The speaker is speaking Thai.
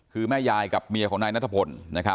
คือแม่ยายกับเมียของนายนัทพล